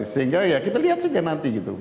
sehingga ya kita lihat saja nanti gitu